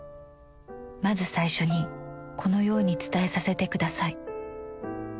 まず最初にこのようにつたえさせてください。